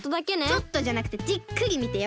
ちょっとじゃなくてじっくりみてよ！